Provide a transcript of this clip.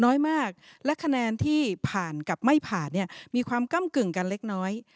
น้อยมากและคะแนนที่ผ่านกับไม่ผ่านเนี่ยมีความก้ำกึ่งกันเล็กน้อย